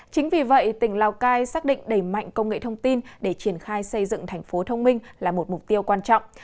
chính vì vậy tỉnh lào cai xác định đẩy mạnh công nghệ thông tin để triển khai xây dựng thành phố thông minh là một mục tiêu quan trọng